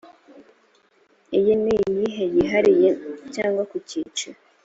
iyi n’ iyi yihariye cyangwa ku cyiciro